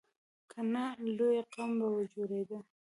که نه، لوی غم به جوړېدو.